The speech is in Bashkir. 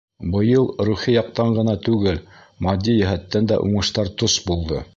Быйыл рухи яҡтан ғына түгел, матди йәһәттән дә уңыштар тос булды.